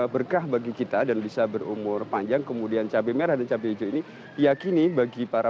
berkah bagi kita dan bisa berumur panjang kemudian cabai merah dan cabai hijau ini yakini bagi para